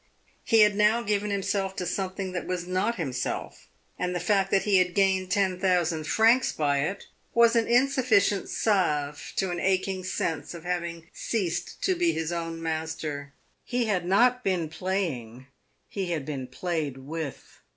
He had now given himself to something that was not himself, and the fact that he had gained ten thousand francs by it was an insufficient salve to an aching sense of having ceased to be his own master. He had not been playing he had been played with.